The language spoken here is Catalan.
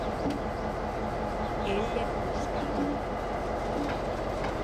Ell et busca.